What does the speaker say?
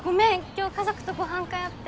今日家族とご飯会あって。